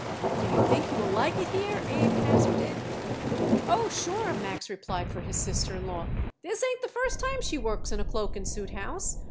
"Do you think you will like it here?" Abe hazarded. "Oh, sure," Max replied for his sister in law. "This ain't the first time she works in a cloak and suit house.